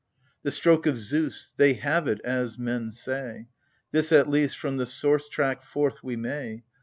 The stroke of Zeus — they have it, as men say ! This, at least, from the source track forth we may